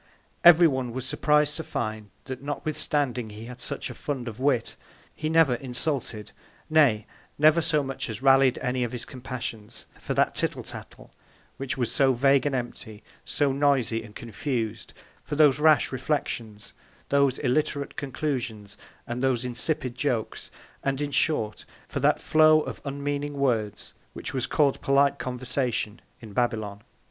Every one was surpriz'd to find, that notwithstanding he had such a Fund of Wit, he never insulted; nay, never so much as rallied any of his Companions, for that Tittle Tattle, which was so vague and empty, so noisy and confus'd; for those rash Reflections, those illiterate Conclusions, and those insipid Jokes; and, in short, for that Flow of unmeaning Words, which was call'd polite Conversation in Babylon.